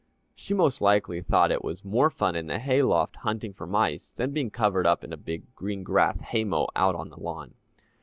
She most likely thought it was more fun in the hay loft hunting for mice than being covered up in a big green grass hay mow out on the lawn.